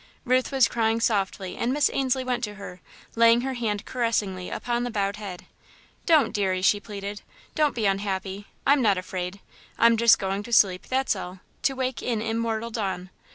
Ruth was crying softly and Miss Ainslie went to her, laying her hand caressingly upon the bowed head. "Don't, deary," she pleaded, "don't be unhappy. I'm not afraid. I'm just going to sleep, that's all, to wake in immortal dawn.